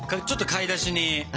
買い出し？